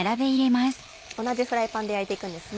同じフライパンで焼いて行くんですね。